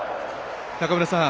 中村さん